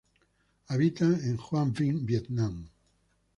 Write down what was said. Habita en Hoa Binh Vietnam.